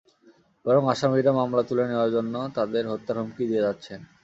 বরং আসামিরা মামলা তুলে নেওয়ার জন্য তাঁদের হত্যার হুমকি দিয়ে যাচ্ছেন।